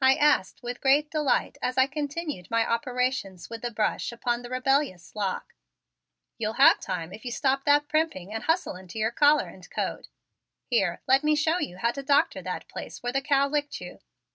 I asked with great delight as I continued my operations with the brush upon the rebellious lock. "You'll have time if you stop that primping and hustle into your collar and coat. Here, let me show you how to doctor that place where the cow licked you.